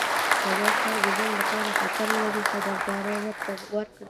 که دا کار د ژوند لپاره خطر ولري خبرداری ورکړئ.